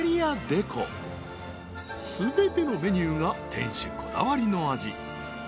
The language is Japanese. ［全てのメニューが店主こだわりの味］